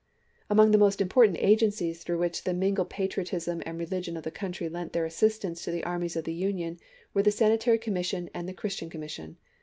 8ept.4,i8k. Among the important agencies through which the mingled patriotism and religion of the country lent their assistance to the armies of the Union were the Sanitary Commissions and the Christian Com mission.